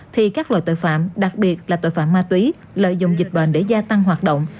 thì các loại tội phạm đặc biệt là tội phạm ma túy lợi dụng dịch bệnh để gia tăng hoạt động